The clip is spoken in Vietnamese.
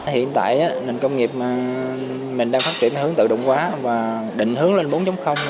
hiện tại nền công nghiệp mình đang phát triển hướng tự động quá và định hướng lên bốn